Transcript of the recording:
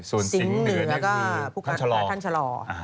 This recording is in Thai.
สิงเหนือน็คือท่านชะลอ